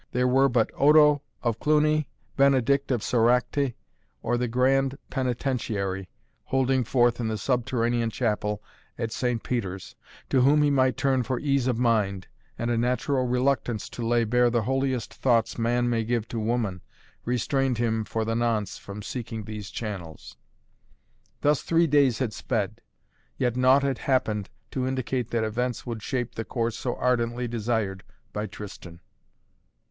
There were but Odo of Cluny, Benedict of Soracté or the Grand Penitentiary, holding forth in the subterranean chapel at St. Peter's, to whom he might turn for ease of mind, and a natural reluctance to lay bare the holiest thoughts man may give to woman, restrained him for the nonce from seeking these channels. Thus three days had sped, yet naught had happened to indicate that events would shape the course so ardently desired by Tristan.